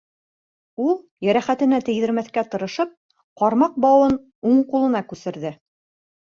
Ул, йәрәхәтенә тейҙермәҫкә тырышып, ҡармаҡ бауын уң ҡулына күсерҙе.